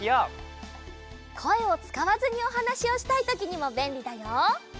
こえをつかわずにおはなしをしたいときにもべんりだよ。